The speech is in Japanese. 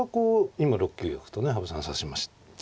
今６九玉とね羽生さんが指しました。